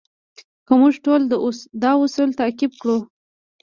که موږ ټول دا اصول تعقیب کړو.